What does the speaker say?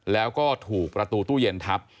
แล้วก็ถูกประตูตู้เย็นทับ